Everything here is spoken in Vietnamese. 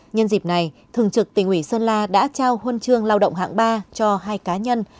nhân dịp này thường trực tỉnh ủy sơn la đã trao huân chương lao động hạng ba cho hai cá nhân